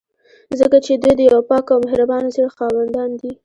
ځکه چې دوی د یو پاک او مهربانه زړه خاوندان دي.